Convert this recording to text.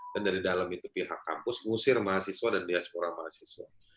dan dari dalam itu pihak kampus ngusir mahasiswa dan diaspora mahasiswa